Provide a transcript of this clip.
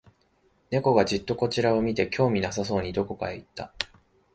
猫がじっとこちらを見て、興味なさそうにどこかへ行った